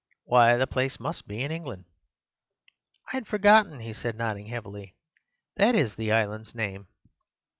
'Why, the place must be in England!' "'I had forgotten,' he said, nodding heavily. 'That is the island's name.